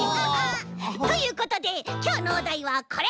ということできょうのおだいはこれ！